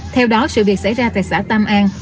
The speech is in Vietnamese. theo đó sự việc xảy ra tại xã tam an